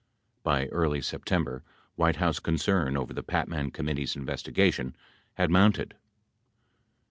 By early September, White House concern over the Patman Committee's investigation had mounted.